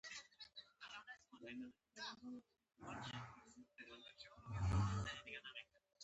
د نظرګي ورورک تبصره مې نن ډېره خوښه شوه.